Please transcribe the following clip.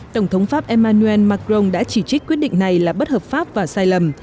tổng thống pháp emmanuel macron đã chỉ trích quyết định này là bất hợp pháp và sai lầm